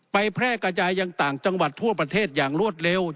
แพร่กระจายยังต่างจังหวัดทั่วประเทศอย่างรวดเร็ว